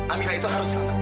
amira itu harus selamat